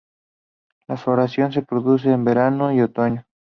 La floración se produce en verano y otoño.